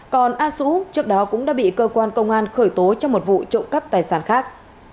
còn a súp trước đó cũng đã bị cơ quan công an khởi tố trong một vụ trộm cắp tài sản khác